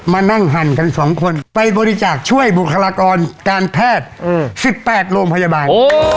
มานั่งหั่นกัน๒คนไปบริจาคช่วยบุคลากรการแพทย์๑๘โรงพยาบาล